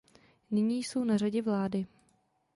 Nyní jsou na řadě vlády.